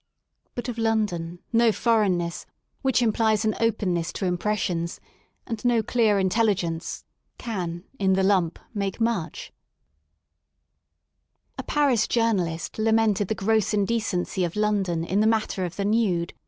But of London no foreign ness, which 21 THE SOUL OF LONDON implies an openness to impressions^ — and no clear in telligence, can, in the lump^ make much. A Paris journalist lamented the gross indecency of London in the matter of the nude.